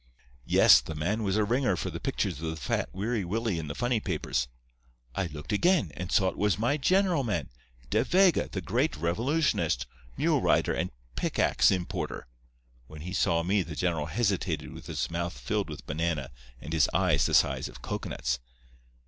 Yes, the man was a ringer for the pictures of the fat Weary Willie in the funny papers. I looked again, and saw it was my general man—De Vega, the great revolutionist, mule rider and pickaxe importer. When he saw me the general hesitated with his mouth filled with banana and his eyes the size of cocoanuts.